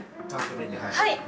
はい。